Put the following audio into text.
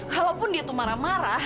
kalaupun dia tuh marah marah